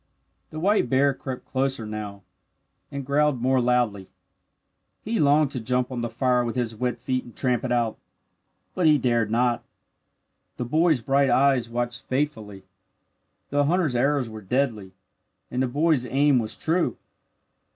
The white bear crept closer now, and growled more loudly. He longed to jump on the fire with his wet feet and tramp it out. But he dared not. The boy's bright eyes watched faithfully. The hunter's arrows were deadly, and the boy's aim was true.